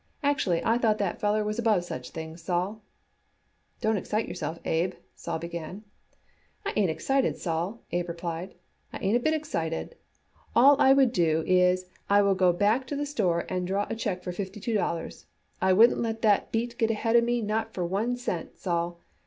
Actually, I thought that feller was above such things, Sol." "Don't excite yourself, Abe," Sol began. "I ain't excited, Sol," Abe replied. "I ain't a bit excited. All I would do is I will go back to the store and draw a check for fifty two dollars. I wouldn't let that beat get ahead of me not for one cent, Sol.